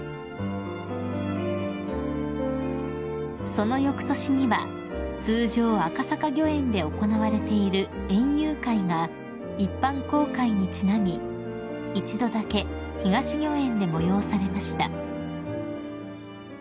［そのよくとしには通常赤坂御苑で行われている園遊会が一般公開にちなみ一度だけ東御苑で催されました］